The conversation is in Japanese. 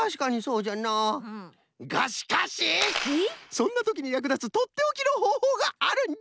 そんなときにやくだつとっておきのほうほうがあるんじゃ！